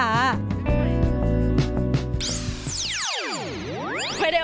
ไปได้โอ้โหค่ะปกติดี